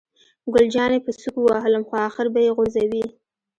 ګل جانې په سوک ووهلم، خو آخر به یې غورځوي.